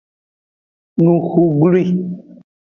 Nuxu glwi.